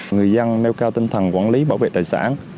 người dân nêu cao tinh thần quản lý bảo vệ tài sản